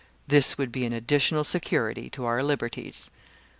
This would be an additional security to our liberties."